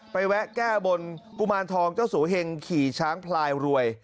แวะแก้บนกุมารทองเจ้าสัวเฮงขี่ช้างพลายรวย